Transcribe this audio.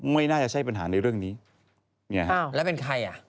ไม่น่าจะใช่ปัญหาในเรื่องนี้เนี่ยฮะแล้วเป็นใครอ่ะ